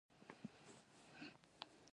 امیر ډېر چاغ سړی وو او ټوله چوکۍ یې نیولې وه.